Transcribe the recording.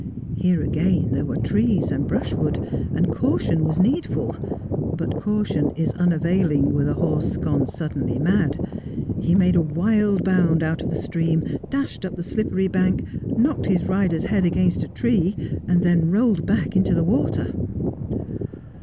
Here again there were trees and brushwood, and caution was needful ; but caution is unavailing Come to Grief. Ill with a horse gone suddenly mad. He made a wild bound out of the stream, dashed up the slippery bank, knocked his rider's head against a tree, and then rolled back into the water.